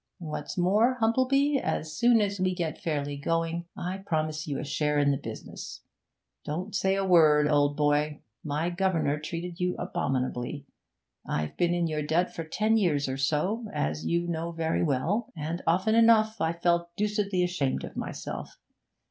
What's more, Humplebee, as soon as we get fairly going, I promise you a share in the business. Don't say a word, old boy! My governor treated you abominably. I've been in your debt for ten years or so, as you know very well, and often enough I've felt deucedly ashamed of myself.